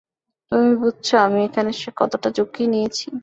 তুমি বুঝছ আমি এখানে এসে কতটা ঝুঁকি নিয়েছি?